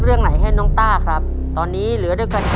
ตัวเลือดที่๓ม้าลายกับนกแก้วมาคอ